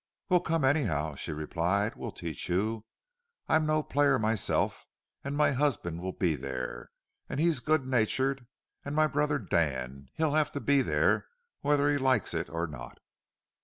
"Well, come anyhow," she replied. "We'll teach you. I'm no player myself, and my husband will be there, and he's good natured; and my brother Dan—he'll have to be whether he likes it or not."